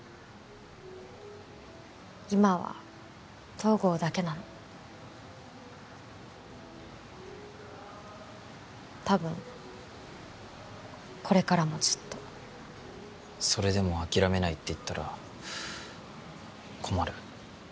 今は東郷だけなのたぶんこれからもずっとそれでも諦めないって言ったら困る？